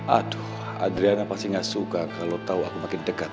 aduh adriana pasti gak suka kalau tahu aku makin dekat